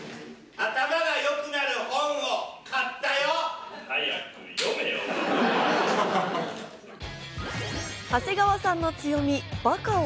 頭がよくなる本を早く読めよ。